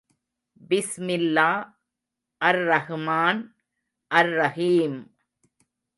பிஸ்மில்லா அர்ரஹ்மான் அர்ரஹீம்.